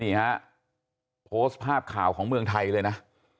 นี่ฮะโพสต์ภาพข่าวของเมืองไทยเลยนะ